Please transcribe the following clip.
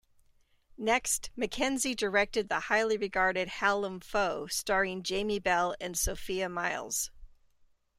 Next, Mackenzie directed the highly regarded "Hallam Foe", starring Jamie Bell and Sophia Myles.